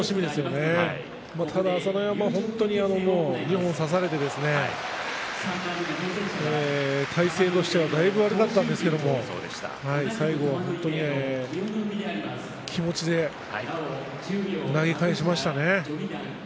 朝乃山は本当に二本差されて体勢としてはだいぶ悪くなったんですけど最後は気持ちで投げ返しましたね。